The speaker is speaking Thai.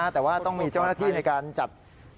แต่ว่าต้องมีเจ้าหน้าที่ในการจัด